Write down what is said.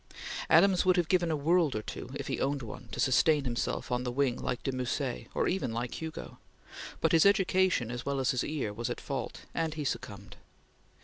Adams would have given a world or two, if he owned one, to sustain himself on the wing like de Musset, or even like Hugo; but his education as well as his ear was at fault, and he succumbed.